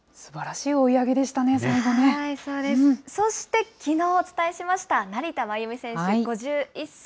そうですね、そしてきのうお伝えしました、成田真由美選手５１歳。